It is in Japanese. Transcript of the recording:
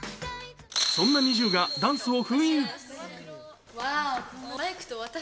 そんなＮｉｚｉＵがダンスを封印。